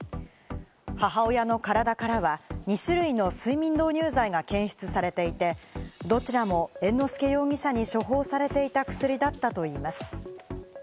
母親の体からは２種類の睡眠導入剤が検出されていて、どちらも猿之助容疑者に処方されていた薬だったといいます。